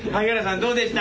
どうでした？